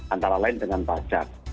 antara lain dengan pajak